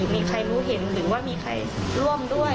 มีอะไรอื่นเข้ามาช่วย